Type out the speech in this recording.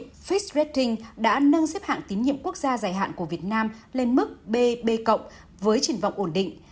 thương hiệu fixed rating đã nâng xếp hạng tín nhiệm quốc gia dài hạn của việt nam lên mức bb với trình vọng ổn định